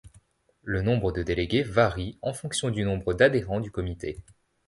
Le nombre de délégués varie en fonction du nombre d'adhérents du comité.